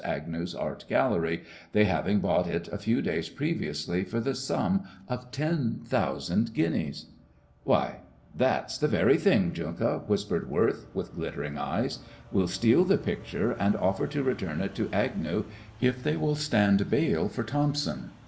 Agnew's art gallery, they having bought it a few days previously for the sum of ten thousand guineas. "Why, that's the very thing, Junka," whispered Worth, with glittering eyes. "We'll steal the picture and offer to return it to Agnew's if they will stand bail for Thompson.